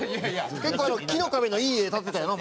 結構木の壁のいい家建てたよなお前な。